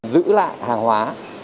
giữ lại hàng hóa